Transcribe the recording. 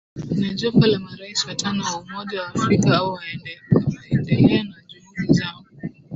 na jopo la marais watano wa umoja wa afrika au waendelea na juhudi zao